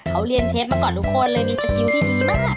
เขาเรียนเชฟมาก่อนทุกคนเลยมีสกิลที่ดีมาก